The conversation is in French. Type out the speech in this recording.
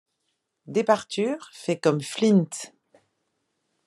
Departure fait comme Flint.